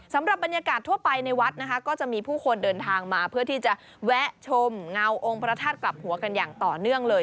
สำหรับบรรยากาศทั่วไปในวัดนะคะก็จะมีผู้คนเดินทางมาเพื่อที่จะแวะชมเงาองค์พระธาตุกลับหัวกันอย่างต่อเนื่องเลย